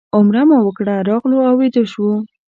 عمره مو وکړه راغلو او ویده شوو.